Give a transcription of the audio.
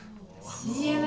ＣＭ？